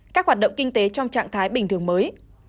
các hoạt động kinh tế trong trạng thái bình thường mới